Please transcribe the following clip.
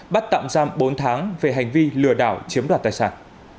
bắt tạm giam bốn tháng về hành vi lừa đảo chiếm đoạt tài sản